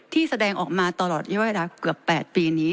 ที่แสดงออกมาตลอดเวลาเกือบ๘ปีนี้